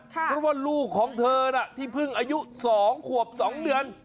เพราะว่าลูกของเธอน่ะที่เพิ่งอายุ๒ขวบ๒เดือน